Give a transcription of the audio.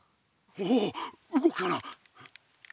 おう動くかな。